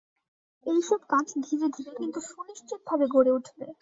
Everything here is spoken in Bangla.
এই সব কাজ ধীরে ধীরে, কিন্তু সুনিশ্চিতভাবে গড়ে উঠবে।